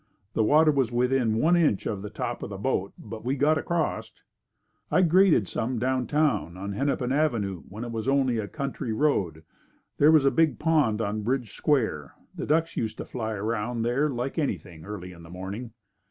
The water was within one inch of the top of the boat but we got across. I graded some down town, on Hennepin Avenue when it was only a country road. There was a big pond on Bridge Square. The ducks used to fly around there like anything early in the morning.